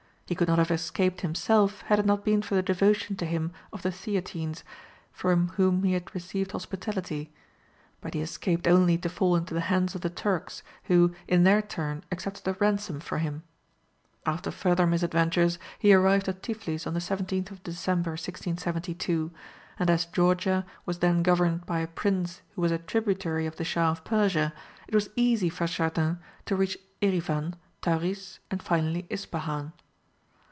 He could not have escaped himself had it not been for the devotion to him of the theatines, from whom he had received hospitality, but he escaped only to fall into the hands of the Turks, who, in their turn, accepted a ransom for him. After further misadventures he arrived at Tiflis on the 17th of December, 1672, and as Georgia was then governed by a prince who was a tributary of the Shah of Persia, it was easy for Chardin to reach Erivan, Tauriz, and finally Ispahan.